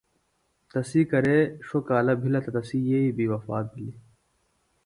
تسی کرے ݜوۡ کالہ بِھلہ تہ تسی یئی بیۡ وفات بِھلیۡ۔